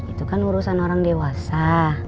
itu kan urusan orang dewasa